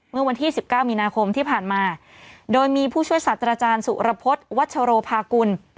เมื่อวันที่๑๙มีนาคมที่ผ่านมาโดยมีผู้ช่วยศาสตราจารย์สุรพฤษวัชโรภากุล